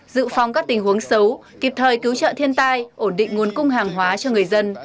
dự phòng các tình huống xấu kịp thời cứu trợ thiên tai ổn định nguồn cung hàng hóa cho người dân